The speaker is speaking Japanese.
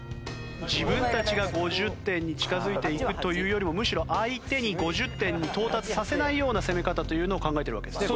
自分たちが５０点に近づいていくというよりもむしろ相手に５０点に到達させないような攻め方というのを考えているわけですね。